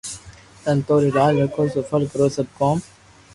سنتو ري لاج رکو سفل ڪرو سب ڪوم